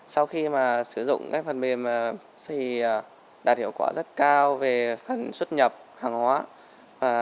sau khi sử dụng phần mềm thì đạt hiệu quả rất cao về phần xuất nhập hàng hóa